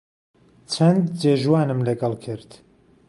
چەند جێژوانم لەگەڵ کرد